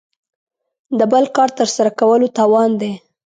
د بل کار تر سره کولو توان دی.